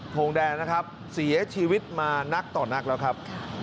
ทงแดงนะครับเสียชีวิตมานักต่อนักแล้วครับ